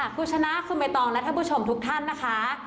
คุณชนะคุณใบตองและท่านผู้ชมทุกท่านนะคะ